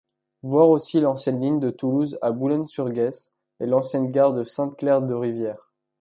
Voir aussi l'ancienne ligne de Toulouse à Boulogne-sur-Gesse et l'ancienne gare de Saint-Clar-de-Rivière.